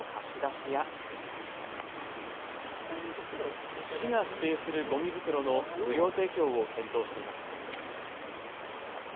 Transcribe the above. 市が指定するごみ袋の無料提供を検討しています。